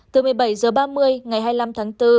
từ một mươi bảy h ba mươi ngày hai mươi năm tháng bốn